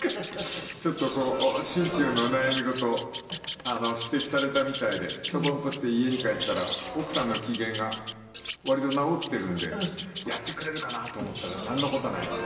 ちょっとこう心中の悩み事を指摘されたみたいでしょぼんとして家に帰ったら奥さんの機嫌が割と直っているんでやってくれるかなと思ったらなんの事はない。